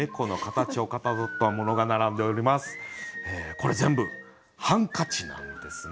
これ全部ハンカチなんですね。